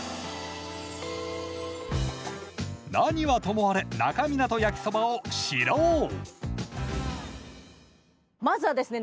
何はともあれ那珂湊焼きそばをシロウまずはですね